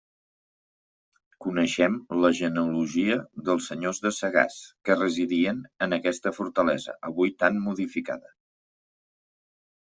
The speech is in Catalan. Coneixem la genealogia dels senyors de Sagàs, que residien en aquesta fortalesa, avui tan modificada.